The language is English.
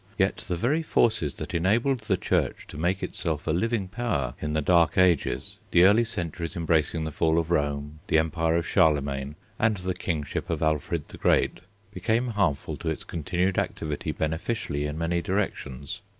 Yet, the very forces that enabled the Church to make itself a living power in the Dark Ages, the early centuries embracing the Fall of Rome, the Empire of Charlemagne, and the kingship of Alfred the Great, became harmful to its continued activity beneficially in many directions.